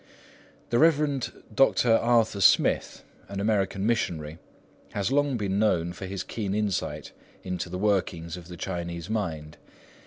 The Rev. Dr. Arthur Smith, an American missionary, has long been known for his keen insight into the workings of the Chinese mind.